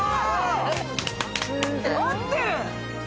合ってる！